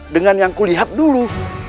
dengan yang kulihat dulu